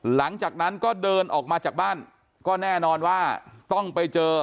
หลังจากนั้นก็เดินออกมาจากบ้านก็แน่นอนว่าต้องไปเจอ